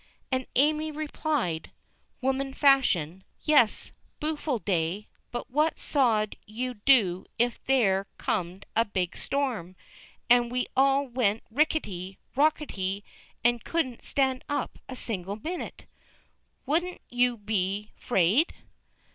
And Amy replied, woman fashion, "Yes, booful day, but what sood you do if there comed a big storm, and we all went ricketty, rockerty, and couldn't stand up single minute? Wouldn't you be 'fraid?"